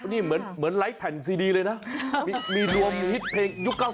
นี่เหมือนไร้แผ่นซีดีเลยนะมีรวมฮิตเพลงยุค๙๐